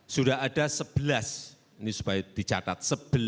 sudah ada sebelas ini supaya dicatat